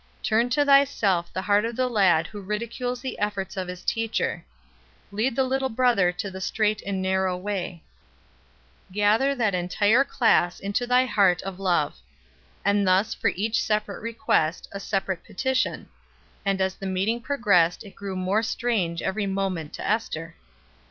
Turn to thyself the heart of the lad who ridicules the efforts of his teacher; lead the little brother into the strait and narrow way; gather that entire class into thy heart of love" and thus for each separate request a separate petition; and as the meeting progressed it grew more strange every moment to Ester.